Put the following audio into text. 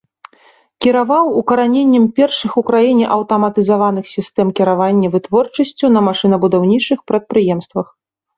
Кіраваў укараненнем першых у краіне аўтаматызаваных сістэм кіравання вытворчасцю на машынабудаўнічых прадпрыемствах.